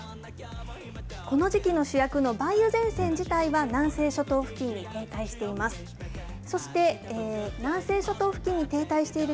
この時期の主役の梅雨前線自体は、南西諸島付近に停滞しています。